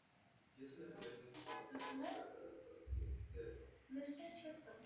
Լիկիոսից ընդամենը մի քանի պատեր են հասել մինչ մեր օրերը։